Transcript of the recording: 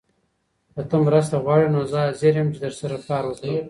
که ته مرسته غواړې نو زه حاضر یم چي درسره کار وکړم.